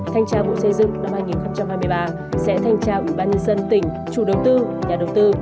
thanh tra bộ xây dựng năm hai nghìn hai mươi ba sẽ thanh tra ủy ban nhân dân tỉnh chủ đầu tư nhà đầu tư